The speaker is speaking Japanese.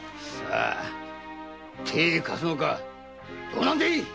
手を貸すのかどうなんでい‼